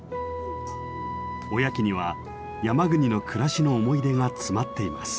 おやきには山国の暮らしの思い出が詰まっています。